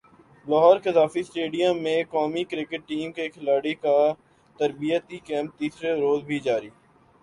Lahore Gaddafi stadium میں قومی cricket team کے کھلاڑیوں کا تربیتی کیمپ تیسرے روز بھی جاری